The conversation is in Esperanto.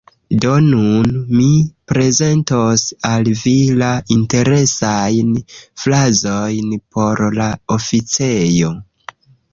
Do nun mi prezentos al vi la interesajn frazojn por la oficejo: